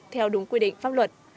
theo đúng quy định pháp luật